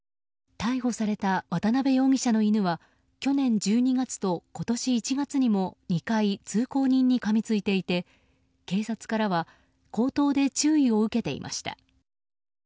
逮捕された渡辺容疑者の犬は去年１２月と今年１月にも２回、通行人にかみついていて警察からは口頭で注意を受けていました。